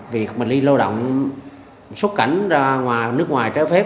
việc mình đi lao động xuất cảnh ra ngoài nước ngoài trái phép